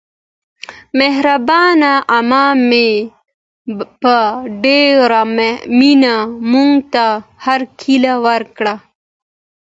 مهربانه عمه مې په ډېره مینه موږته هرکلی وکړ.